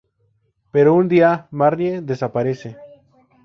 Pero un día, Marnie desaparece.